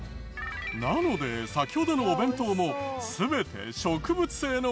なので先ほどのお弁当も全て植物性のものだけ。